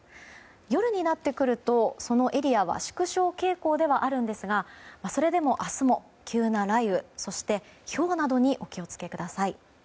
夜になってくると、そのエリアは縮小傾向ではあるんですがそれでも明日は急な雷雨ひょうなどにお気を付けください。